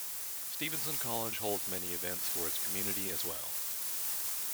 Stevenson College holds many events for its community as well.